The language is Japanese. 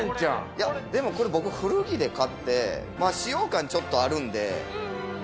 いや、でもこれ、僕、古着で買って、使用感、ちょっとあるんで。